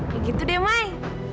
begitu deh mai